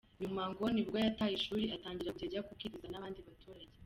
Nyuma ngo nibwo yataye ishuri atangira kujya ajya kubwiriza n’abandi baturage.